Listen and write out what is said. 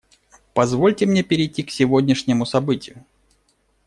Позвольте мне перейти к сегодняшнему событию.